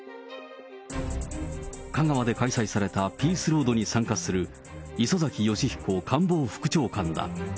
香川で開催されたピースロードに参加する、磯崎仁彦官房副長官だ。